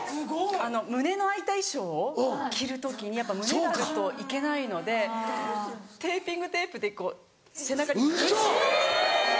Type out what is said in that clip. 胸の開いた衣装を着る時にやっぱ胸があるといけないのでテーピングテープでこう背中にグッと。